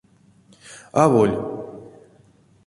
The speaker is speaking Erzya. Аволь.